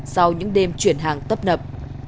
sau những đêm chuyển hàng tấp nập